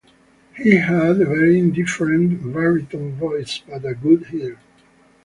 He had a very indifferent baritone voice, but a good ear.